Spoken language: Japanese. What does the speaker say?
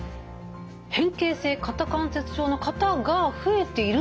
変形性肩関節症の方が増えているんでしょうか？